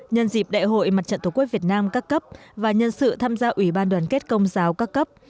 nhân dịp đại hội mặt trận tổ quốc việt nam các cấp và nhân sự tham gia ủy ban đoàn kết công giáo các cấp